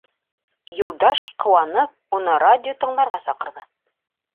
Юлдаш, ҡыуанып, уны радио тыңларға саҡырҙы: